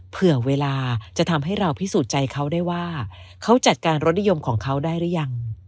เผื่อเวลาจะทำให้เราพิสูจน์ใจเขาได้ว่าเขาจัดการรสนิยมของเขาได้หรือยัง